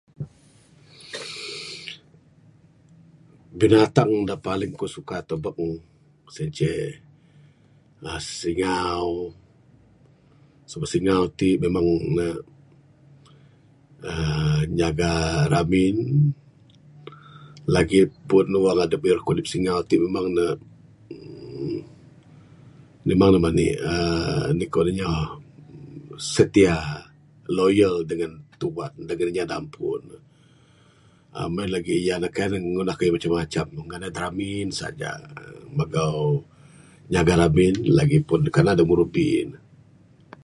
Binatang da paling ku suka tebuk ne, sien ce, anak singau. Sebab singau ti memang ne aaaa.... nyaga ramin. Lagi pun wang adup ira ngkudip singau ti, memang ne, memang ne meni, aaaa..anih boh kuwan inya, setia, loyal dengan tuan ne, dengan inya da ampu ne. Mung en lagi, kai ne ngundah kayuh da macam-macam. Mung ngandai da ramin saja. Magau, nyaga ramin. Lagi pun kanan adup ngirubi ne.